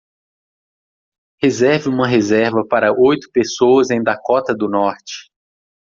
Reserve uma reserva para oito pessoas em Dakota do Norte